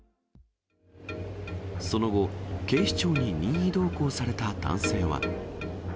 その後、警視庁に任意同行された男性は。